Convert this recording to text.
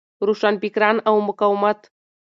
روشنفکران او مقاومت